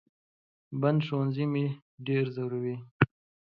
بند ښوونځي مې ډېر زوروي